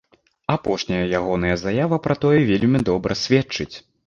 Апошняя ягоная заява пра тое вельмі добра сведчыць.